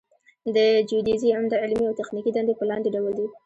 د جیودیزي عمده علمي او تخنیکي دندې په لاندې ډول دي